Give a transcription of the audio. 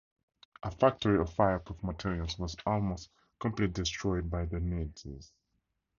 A factory of fireproof materials was almost completely destroyed by the Nazis.